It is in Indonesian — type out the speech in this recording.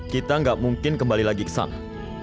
kita nggak mungkin kembali lagi ke sana